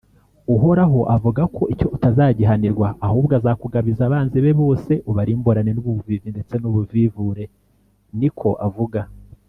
Uhoraho avuga ko icyo utazagihanirwa ahubwo azakugabiza abanzi be bose ubarimburane n’ubuvivi ndetse n’ubuvivure niko avuga.